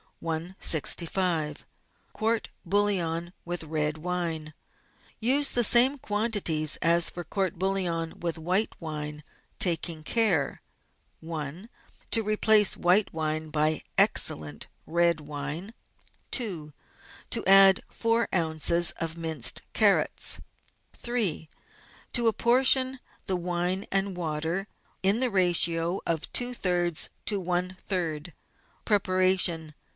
i65 COURT=BOUILLON WITH RED WINE Use the same quantities as for court bouillon with white wine, taking care — I. To replace white wine by excellent red wine. COURT BOUILLONS AND MARINADES 65 2. To add four oz. of minced carrots. 3. To apportion the wine and water in the ratio of two thirds to one third. Preparation.